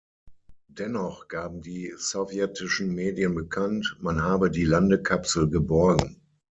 Dennoch gaben die sowjetischen Medien bekannt, man habe die Landekapsel geborgen.